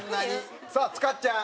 さあ塚っちゃん。